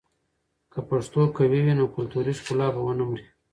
که پښتو قوي وي، نو کلتوري ښکلا به ونه مري.